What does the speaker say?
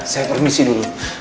saya permisi dulu